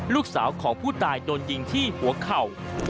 ลูกสาวของผู้ตายโดนยิงที่หัวเข่า